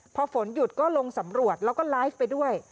พอฝนหยุดก็ลงสำรวจแล้วก็ไลฟ์ไปด้วย